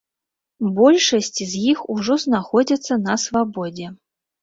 Большасць з іх ужо знаходзяцца на свабодзе.